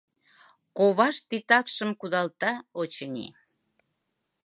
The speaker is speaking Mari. Ковашт титакшым кудалта, очыни.